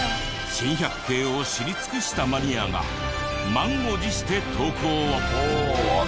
珍百景を知り尽くしたマニアが満を持して投稿を！